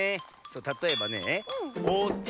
たとえばね「おちゃ」